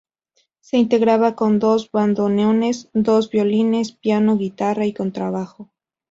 Se integraba con dos bandoneones, dos violines, piano, guitarra y contrabajo.